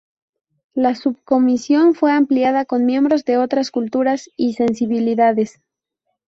La subcomisión fue ampliada con miembros de otras culturas y sensibilidades.